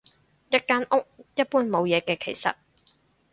一間屋，一般冇嘢嘅其實